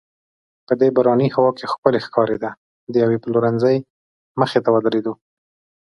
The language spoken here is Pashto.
په دې باراني هوا کې ښکلې ښکارېده، د یوې پلورنځۍ مخې ته ودریدو.